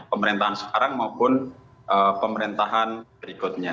pemerintahan sekarang maupun pemerintahan berikutnya